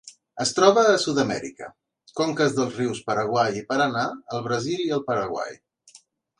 Es troba a Sud-amèrica: conques dels rius Paraguai i Paranà al Brasil i el Paraguai.